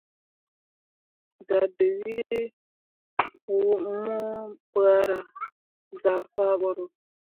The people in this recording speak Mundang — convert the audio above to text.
Dadǝwee mu bahra zah faa boro.